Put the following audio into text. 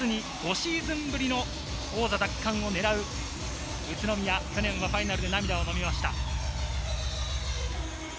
実に５シーズンぶりの王座奪還を狙う宇都宮、去年のファイナルでは涙をのみました。